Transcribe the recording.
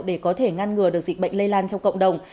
để có thể ngăn ngừa được dịch bệnh lây lan trong cộng đồng